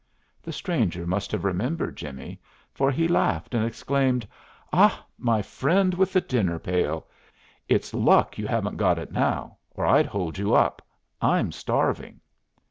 The stranger must have remembered Jimmie, for he laughed and exclaimed: "Ah, my friend with the dinner pail! It's luck you haven't got it now, or I'd hold you up. I'm starving!"